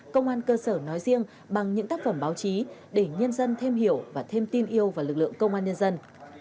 công an cơ sở nói riêng bằng những tác phẩm báo chí để nhân dân thêm hiểu và thêm tin yêu vào lực lượng công an nhân dân